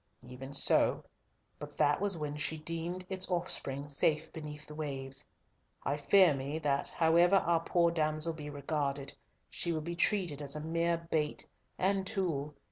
"Even so, but that was when she deemed its offspring safe beneath the waves. I fear me that, however our poor damsel be regarded, she will be treated as a mere bait and tool.